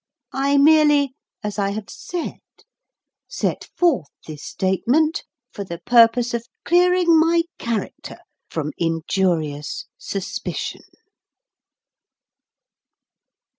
I merely, as I have said, set forth this statement for the purpose of clearing my character from injurious suspicion.